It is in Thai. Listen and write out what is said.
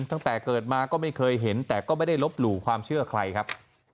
ตั้งแต่เกิดมาก็ไม่เคยเห็นแต่ก็ไม่ได้ลบหลู่ความเชื่อใครครับ